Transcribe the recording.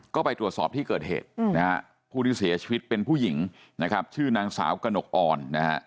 ก็ไปตรวจสอบที่เกิดเหตุผู้ที่เสียชีวิตเป็นผู้หญิงชื่อนางสาวกระหนกอ่อน